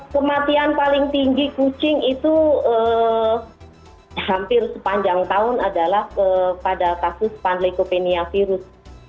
kematian paling tinggi kucing itu hampir sepanjang tahun adalah pada kasus panleucopenia virus